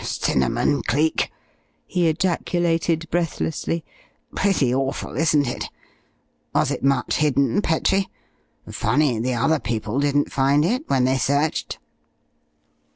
"Cinnamon, Cleek!" he ejaculated, breathlessly. "Pretty awful, isn't it? Was it much hidden, Petrie? Funny the other people didn't find it when they searched!"